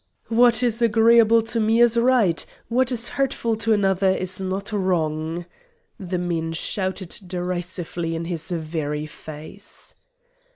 "What is agreeable to me is right; what is hurtful to another is not wrong!" the men shouted derisively in his very face.